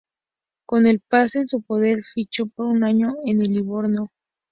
Con el pase en su poder fichó por un año en el Livorno.